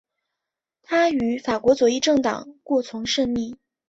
他与法国左翼政党过从甚密。